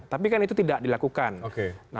tapi kan itu tidak dilakukan